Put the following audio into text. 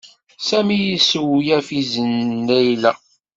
Sami yessewlef izen n Layla.